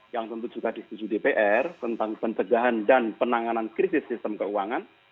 yang tentu juga disetujui dpr tentang pencegahan dan penanganan krisis sistem keuangan